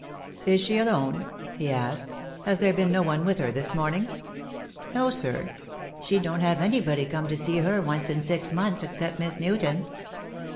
"Is she alone?" he asked. "Has there been no one with her this morning?" "No, sir. She don't have anybody come to see her once in six months, except Miss Newton."